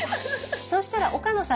そうしたら岡野さん